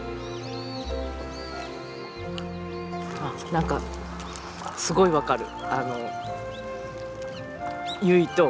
何かすごい分かる。